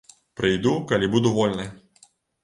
Прыйду, калі буду вольны.